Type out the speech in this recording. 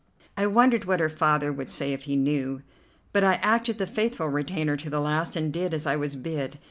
I wondered what her father would say if he knew, but I acted the faithful retainer to the last, and did as I was bid.